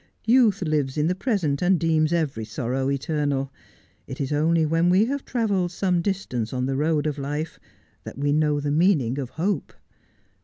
Youth lives in the present, and deems every sorrow eternal. It is only when we have travelled some distance on the road of life that we know the meaning of hope.